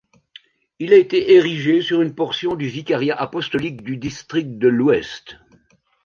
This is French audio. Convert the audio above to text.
Il a été érigé sur une portion du vicariat apostolique du district de l'Ouest.